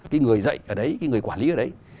cái người dạy ở đấy cái người quản lý ở đấy